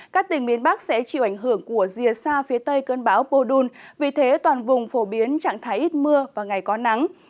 các tỉnh miền bắc sẽ chịu ảnh hưởng của diệt xa phía tây cơn bão pô đôn vì thế toàn vùng phổ biến chẳng thấy ít mưa và ngày có nắng